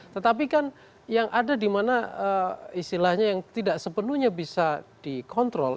tetapi kan yang ada di mana istilahnya yang tidak sepenuhnya bisa dikontrol